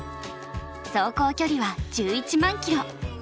走行距離は１１万キロ。